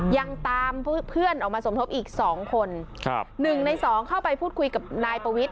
ยังตามเพื่อนออกมาสมทบอีกสองคนครับหนึ่งในสองเข้าไปพูดคุยกับนายปวิทย